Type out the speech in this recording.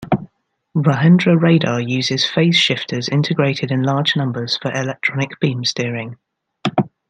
Rajendra radar uses phase shifters integrated in large numbers for electronic beam steering.